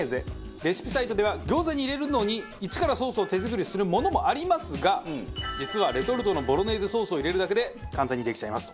レシピサイトでは餃子に入れるのに一からソースを手作りするものもありますが実はレトルトのボロネーゼソースを入れるだけで簡単にできちゃいますと。